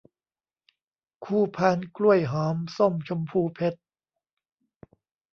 คู่พานกล้วยหอมส้มชมพูเพชร